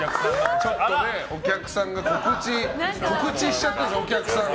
ちょっとお客さんが告知しちゃってるんですよ。